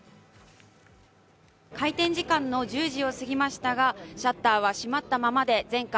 開店時間の１０時を過ぎましたが、シャッターは閉まったままで全館